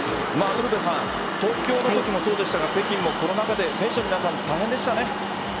ウルヴェさん東京のときもそうでしたが北京もコロナ禍で選手の皆さん大変でしたね。